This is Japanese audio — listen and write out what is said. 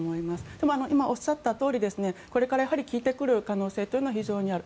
でも、今おっしゃったとおりこれから効いてくる可能性というのは非常にある。